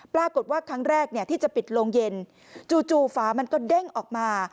ปรากฏว่าครั้งแรกที่จะปิดโรงเย็นจู่ฝามันก็เด้งออกมา